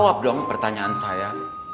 jawab dong pertanyaan saya